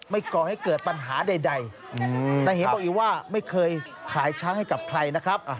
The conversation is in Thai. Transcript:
ก่อให้เกิดปัญหาใดแต่เห็นบอกอีกว่าไม่เคยขายช้างให้กับใครนะครับ